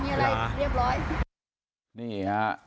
มีอะไรเรียบร้อย